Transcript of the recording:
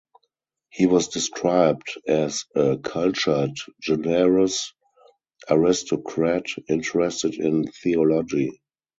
He was described as "a cultured, generous aristocrat, interested in theology".